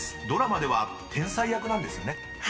ドラマでは天才役なんですよね］